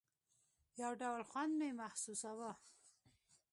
يو ډول خوند مې محسوساوه.